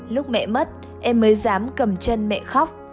lúc mẹ mất em mới dám cầm chân mẹ khóc